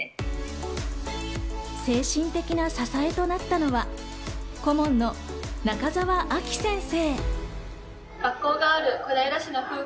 精神的な支えとなったのは、顧問の中澤亜紀先生。